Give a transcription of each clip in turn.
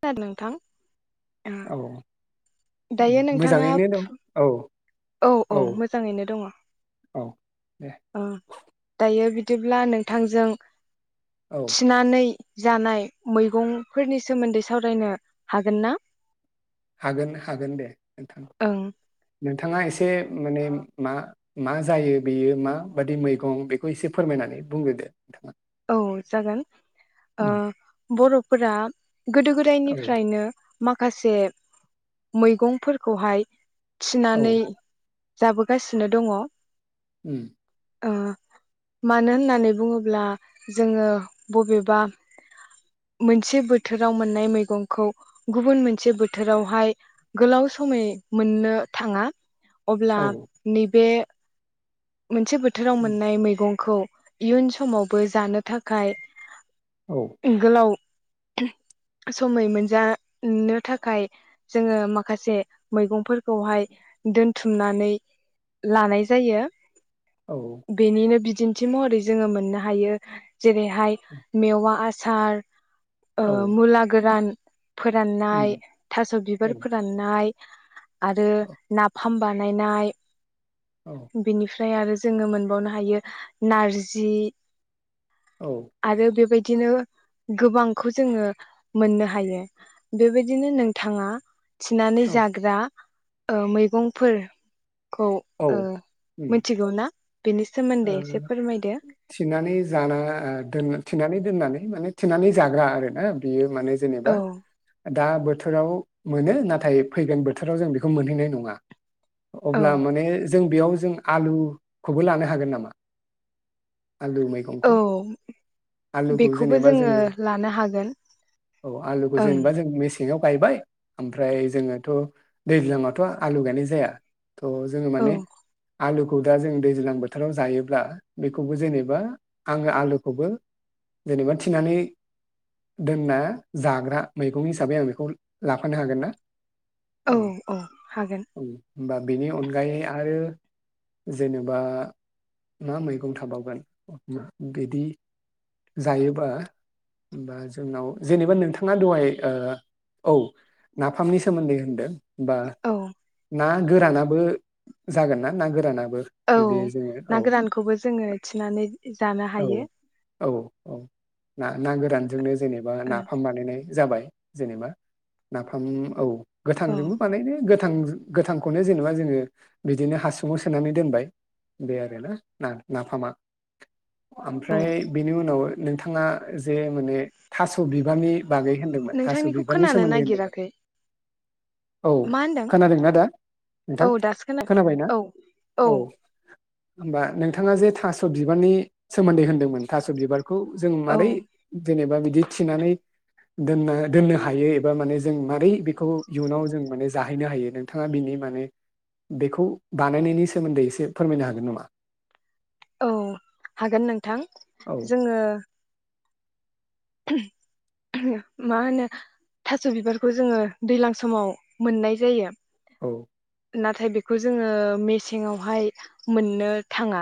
खोनादों नोंथां? औ दायो नोंथाङा मोजाङैनो दं औ। औ औ मोजाङैनो दङ औ दे । ओ दायो बिद दिब्ला नोंथांजों औ थिनानै जानाय मैगंफोरनि सोमोन्दै सावरायनो हागोन ना? हागोन हागोन दे नोंथां। ओं नोंथाङा एसे माने मा मा जायो बेयो माबादि मैगं बेखौ एसे फोरमायनानै बुंग्रोदो नोंथाङा। औ जागोन उम, बर' फोर गोदो औ गोदायनिफ्रायनो माखासे मैगंफोरखौहाय औ थिनानै जाबोगासिनो दङ उ औ मानो होननानै बुङोब्ला जोङो बबेबा मोनसे बोथोराव मोननाय मैगंखौ गुबुन मोनसे बोथोरावहाय गोलाव समय मोननो थाङा अब्ला औ नैबे मोनसे बोथोराव उम, मोननाय मैगंखौ इयुन समावबो जानो थाखाय औ गलााव समय मोनजानो थाखाय जोङो माखासे मैगंफोरखौहाय दोनथुमनानै लानाय जायो औ बेनिनो बिदि दिन्थि महरै जोङो मोननो हायो जेरैहाय मेवा औ आसार मुला गोरान फोराननाय उम, थास' औ बिबार फोराननाय आरो औ नाफाम बानायनाय औ ओमफ्राय आरो जोङो मोनबावनो हायो नारजि आरो बेबायदि बिदिनो गोबांखौ जोङो मोननो हायो बेबायदिनो नोंथाङा थिनानै औ जाग्रा ओ मैगंफोर औ उम, मिथिगौ ना? बेनि सोमोन्दै एसे फोरमायदो थिनानै जाना थिनानै दोननानै माने थिनानै जाग्रा आरो ना बियो माने जेनेबा औ दा बोथोराव मोनो नाथाय फैगोन बोथोराव जों बेखौ मोनहैनाय नङा औ अब्ला माने जों बेयाव जों आलुखौबो लानो हागोन नामा? आलु औ मैगंखौ आलुखौ बेखौबो जेनेबा जोङो लानो हागोन औ आलुखौ ओं जेनेबा जों सिङाव गायबाय ओमफ्राय जोङोथ' दैज्लांयावथ' आलु गायनाय जाया थ' जोङो औ माने आलु खौदा जों दैज्लां बोथ फोथाराव जायोब्ला बेखौबो जेनेबा आङो आलुखौबो जेनेबा थिनानै दोनना जाग्रा मैगं हिसाबै आं बेखौ लाफानो हागोन ना? औ औ हागोन होमबा बेनि अनगायै आरो जेनेबा मा मैगं थाबावगोन बिदि जायोबा बा जोंनाव जेनेबा नोंथाङा दहाय औ नाफामनि सोमोन्दै होनदों बा औ ना गोरानाबो जागोन ना ना गोरानाबो औ बिदि जोङो औ ना गोरानखौबो जोङो थिनानै जानो औ हायो औ औ ना गोरानजोंनो जेनेबा ओ नाफाम बानाइनाय जाबाय जेनेबा नाफाम औ औ गोथांजोंबो बानायनो गो गोथां गोथांखौनो जेनेबा जोङो बिदिनो हासुङाव सोनानै दोनबाय बे आरो नाफामा औ ओमफ्राय बेनि उनाव नोंथाङा जे माने थास' बिबारनि बागै होनदोंमोन थास' नोंथांनिखौ बिबारनि खोनानो सोमोन्दै होनदोंमोन। नागिराखै औ मा होनदों खोनादोंना दा औ नोंथां दासो खोना खोनाबाय ना औ औ। होमबा नोंथाङा जे थास' बिबारनि सोमोन्दै होनदोंमोन थास' बिबार। खौ जों औ मारै जेनेबा बिदि बिदि थिनानै दोनो दोननो हायो एबा माने जों मारै बेखौ इयुनाव जों माने जाहैनो हायो नोंथाङा बिनि माने बेखौ बानायनायनि सोमोन्दै एसे फोरमायनो हागोन नामा? औ हागोन नोंथां औ जोङो मा होनो थास' बिबारखौ जोङो दैज्लां समाव मोननाय जायो। औ नाथाय बेखौ जोङो मेसेंआवहाय मोननो थाङा।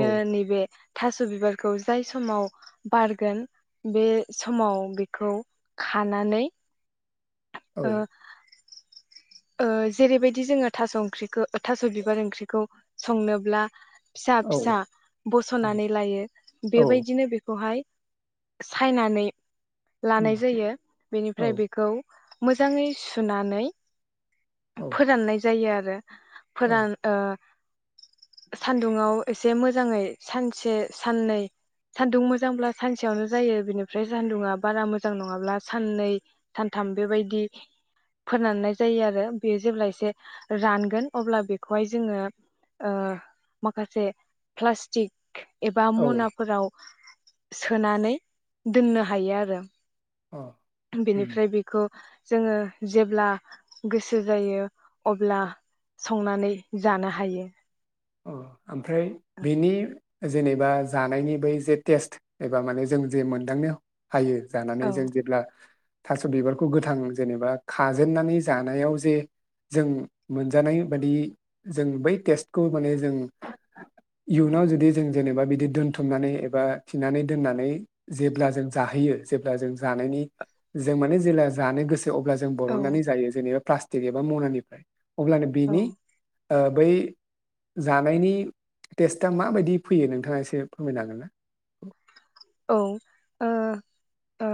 औ नैबे थास' बिबारखौ जाय समाव बारगोन बे समाव बेखौ खानानै औ ओ ओ जेरैबायदि जोङो थास' ओंख्रिखौ थास' बिबार ओंख्रिखौ संनोब्ला फिसा औ फिसा बस'नानै लायो बेबायदिनो बेखौहाय सायनानै लानाय जायो औ बेनिफ्राय बेखौ मोजाङै सुनानै औ फोराननाय जायो आरो। औ फोरान ओ सान्दुंङाव एसे मोजाङै सानसे साननै सान्दुं मोजांब्ला सानसेयावनो जायो बेनिफ्राय सान्दुंङा बारा मोजां नङाब्ला साननै सानथाम बेबायदि फोरानाय जायो आरो बेयो जेब्ला एसे रानगोन अब्ला बेखौहाय जोङो ओ माखासे प्लास्टिक एबा औ मनाफोराव सोनानै दोननो हायो आरो। औ बेनिफ्राय बेखौ जोङो जेब्ला गोसो जायो अब्ला संनानै जानो हायो। अह ओमफ्राय बिनि जेनेबा जानायनि बै जे टेस्ट एबा माने जों जे मोनदांनायाव हायो औ जानानै जों जेब्ला थास' बिबारखौ गोथां जेनेबा खाजेननानै जानायाव जे जों मोनजानाय बादि जों बै टेस्ट खौ माने जों इयुनाव जुदि जों जेनेबा बिदि दोनथुमनानै एबा थिनानै दोननानै जेब्ला जों जाहैयो जेब्ला जों जानायनि जों मान जे जानो गोसो अब्ला जों औ बरननानै जायो जेनेबा प्लास्ट टिग एबा मनानिफ्राय अब्लानो औ बेनि ओ बै जानायनि टेस्टआ माबायदि फैयो नोंथाङा एसे फोरमायनो हागोन ना? औ ओ ओ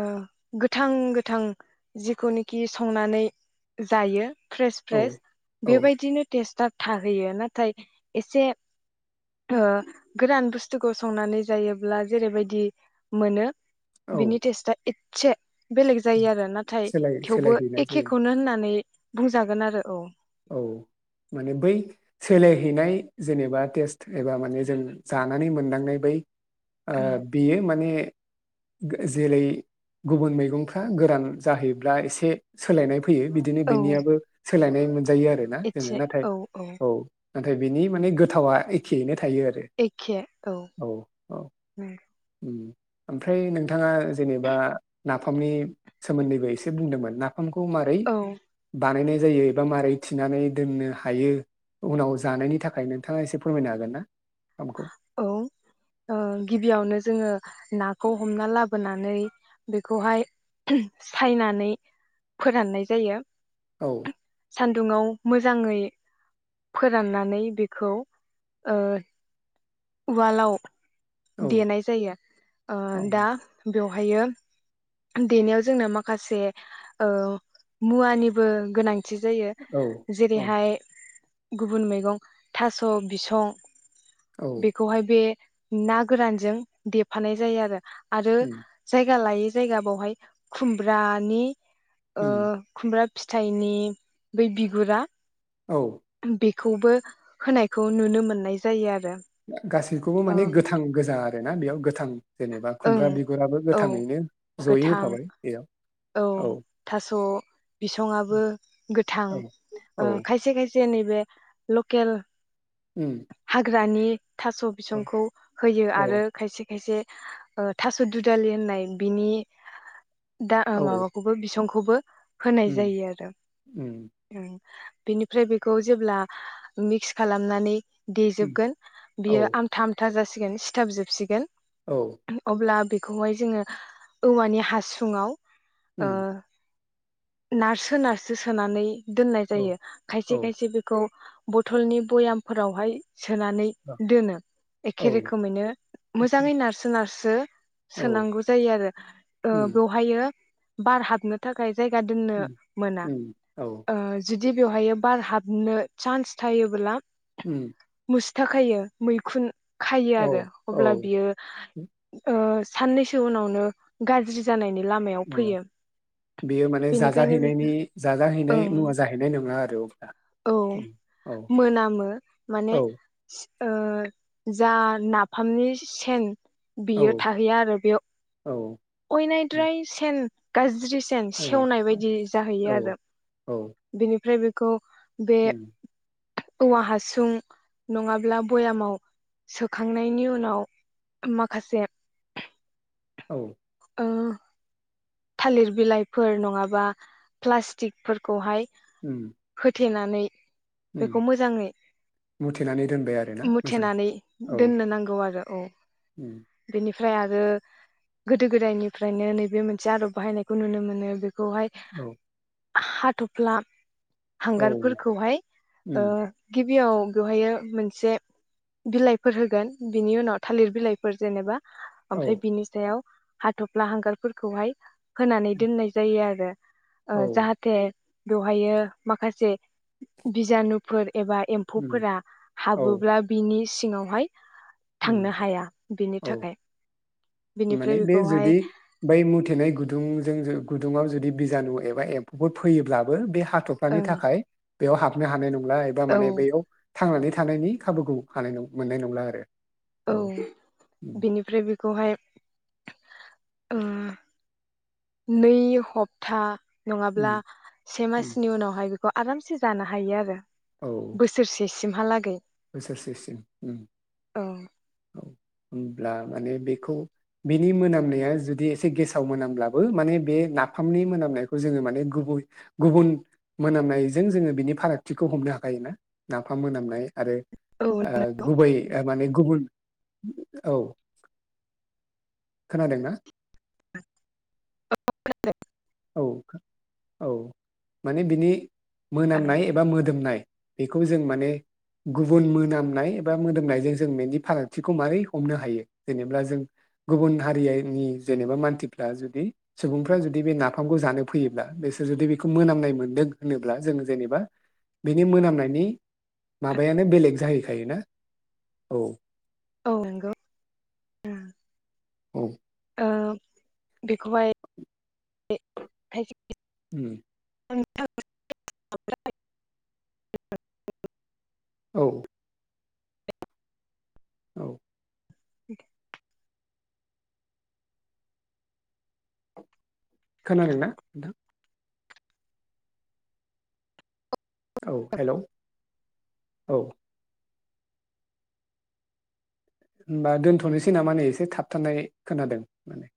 गोथां गोथां जिखौनाखि संनानै जायो। फ्रेस औ फ्रेस औ बेबायदिनो टेस्टआ थाहैयो नाथाय एसे ओ गोरान बुस्थुखौ संनानै जायोब्ला जेरैबायदि मोनो बिनि औ टेस्टा इट से बेलेग जायो आरो नाथाय सोलाय थेवबो सोलायहैनाय जायो एखेखौनो होननानै बुंजागोन आरो औ औ माने बै सोलायहैनाय जेनेबा टेस्ट एबा माने जों जानानै मोनदांनाय बै ओ बेयो माने जेरै गुबुन मैगंफ्रा गोरान जाहैब्ला एसे सोलायनाय फैयो बिदिनो औ बेनियाबो सोलायनाय मोन जायो आरोना जोङो एसे नाथाय औ औ नाथाय बिनि माने गोथावा एखेयैनो थायो आरो औ औ ओम ओमफ्राय नोंथाङा जेनेबा नाफामनि सोमोन्दैबो एसे बुंदोंमोन ना फामखौ मारै औ बानायनाय जायो एबा मारै थिनानै दोननो हायो उनाव जानायनि थाखाय नोंथाङा एसे फोरमायनो हागोन ना नाफाम खौ। औ ओ गिबियावनो जोङो नाखौ हमना लाबोनानै बेखौहाय सायनानै फोराननाय जायो। औ सान्दुङाव मोजाङै फोराननानै बेखौ ओ उवालाव औ देनाय जायो ओ औ दा बेव ओमफायो देनायाव जोंनो माखासे ओ मुवानिबो गोनां थि जायो। औ औ जेरैहाय गुबुन मैगं थास' बिसं औ बेखौहाय बे ना गोरानजों दाजानाय जायो आरो । आरो उम जायगा लायै जा यगा बावहाय खुमब्रानि ओ उम खुमब्रा फिथाइनि बै बिगुरा औ खौबो होनायखौ नुनो मोननाय जायो आरो । गासैखौबो माने गोथां गोजा आरो ना बेयाव गोथां जेनेबा ओं खुमब्रा बिगुराबो औ गोथाङैनो जयै गोथां होफाबाय बेयाव औ थास' बिसंआबो गोथां औ औ ओ खायसे खायसे नै बे लकेल ओम रानि थास' बिसंखौ होयो औ आरो खायसे खायसे थास' दुदालि होननाय बिनि दा आं औ माबा बिसं [unintelligible] होनाय उम जायो आरो उम बिनिफ्राय बेखौ जेब्ला मिक्स खालामनानै उम देेजोबगोन औ बियो आं आमथा आमथा जासिगोन गोन सिथाबजोबसिगोन औ अब्ला बे बेखौहाय जोङो औवानि हासुङाव ओ उम नारसो नारसो सोनानै दोननाय औ जायो खायसे औ खायसे बेखौ बथलनि बयामफोरावहाय सोनानै दोनो एखे औ रोखोमैनो एखे मोजाङै नारसो नारसो औ सोनांगौ जायो आरो उम बेवहायो बार हाबनो थाखाय जायगा दोननो उम मोना उम औ ओ जुदि बेवहायो बार हाबनो सान्स थायोब्ला ओम [unintelligible] थाखायनो मैखुन खायो औ आरो औ अब्ला बियो ओ साननैसो उनावनो गाज्रि जानायनि लामायाव अ फैयो बेयो माने बेनिखायनो जाजाहैनायनि बेखौ जाजाहैनाय मुवा ओं जाहैनाय नङा आरो अब्ला औ औ मोनामो माने औ ओ जा नाफामनि सेन औ बियो थाहैया आरो बेयाव औ अयनायद्राय से गाज्रि सिन औ सेवनाय बायदि जाहैयो औ आरो बेनिफ्राय बे [unintelligible] होम औवा हासुं नङाब्ला बयामाव सोखांनायनि उनाव माखासे औ ओ थालिर बिलाइफोर नङाबा प्लास्टिकफोरखौहाय उम देनानै उम बेखौ मोजाङै मुथेनानै दोनबाय आरोना मोजाङै मुथेनानै औ दोननो नांगौ आरो औ उम बेनिफ फ्राय आरो गोदो गोदायनिफ्रायनो नैबे मोनसे आदब बाहायनायखौ नुनो मोनो बे खौहाय औ हाथ'फ्ला औ हांगारफोरखौहाय ओ उम गिब बेयाव बेवहायो मोनसे बिलाइफोर होगोन बिनि उनाव थालिर बिलाइफोर जेनेबा औ ओमफ्राय बिनि सायाव हाथ'फ्ला हांगारफोरखौहाय होनानै दोननाय जायो आरो। औ ओ जाहाथे बेवहायो माखासे बिजानुफोर एबा उम एम्फौफोरा हाबोब्ला बिनि सि सिङावहाय थांनो उ हाया बिनि औ थाखाय माने बिनिफ्राय बे बेखौहाय जुदि बै मुथेनाय गुदुं जोंजो गुदुङआव जुदि बिजानु एबा एम्फौफोर फैयोब्लाबो बे हाथ'फ्लानि ओं थाखाय बेयाव हाबनो हानाय नं ला एबा औ माने बैयाव थांनानै थानायनि खाबुखौ हानाय नं मोननाय नंला आरो। औ उम बेनिफ्राय बेखौहाय ओ नै हप्ता नङाब्ला उम से उम मासनि उनावहाय बे खौ आरामसे जानो हायो आरो। औ बोसोरसे सिमहालागै बोसोरसेसिम उम औ औ होमब्ला माने बेखौ बिनि मोनामनाया जुदि एसे गेसाव मोनामब्लाबो माने बे नाफामनि मोनामनायखौ जोङो माने गुबै गुबुन मोनामनायजों जोङो बिनि फारागथिखौ हमनो हाखायो ना नाफाम मोनामनाय आरो औ ओं ओ गुबै माने गुबुन औ खोनादों ना? औ औ माने बिनि मोनामनाय एबा मोदोमनाय बेखौ जों माने गुबुन मोनामनाय एबा मोदोमनायजों जों बेनि फारागथिखौ माबारै हमनो हायो जेनेबा जों गुबुन हारिनि जेनेबा मानसिफ्रा जुदि सुबुंफ्रा जुदि बे ना फामखौ जानो फैयोब्ला बिसोर जुदि बेखौ मोनामनाय मोन्दों होनोब्ला जों जेनेबा बिनि मोनामनायनि माबायानो बेलेग जाहैखायो ना औ। औ नंगौ। औ। ओ बेखौहाय [unintelligible] ओम। [unintelligible] औ औ। [unintelligible] खोनादोंना नोंथां। औ हेल' औ। होमबा दोनथ'नोसै नामा नै एसे थाबथानाय खोनादों माने